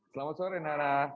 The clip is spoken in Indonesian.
selamat sore nara